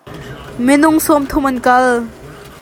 Minung sawmthum an kal.